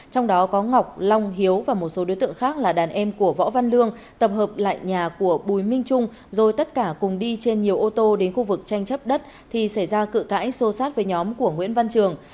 trong đó có ngọc long hiếu và một số đối tượng khác là đàn em của võ văn lương tập hợp lại nhà của bùi minh trung rồi tất cả cùng đi trên nhiều ô tô đến khu vực tranh chấp đất thì xảy ra cự cãi xô sát với nhóm của nguyễn văn trường